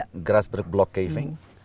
namanya grasberg block caving